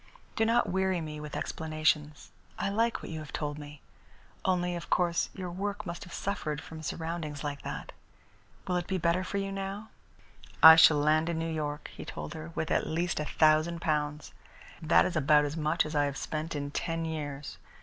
Do not weary me with explanations. I like what you have told me. Only, of course, your work must have suffered from surroundings like that. Will it be better for you now?" "I shall land in New York," he told her, "with at least a thousand pounds. That is about as much as I have spent in ten years.